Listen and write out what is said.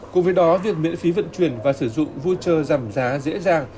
cùng với đó việc miễn phí vận chuyển và sử dụng voucher giảm giá dễ dàng